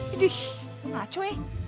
iduh ngaco ya